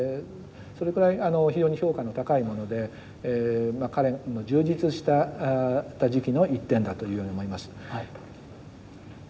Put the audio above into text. それくらい非常に評価の高いもので彼の充実していた時期の１点だというように思います。